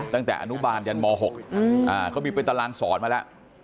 ตั้งแต่อนุบาลยันม๖เขามีเป็นตารางสอนมาแล้ว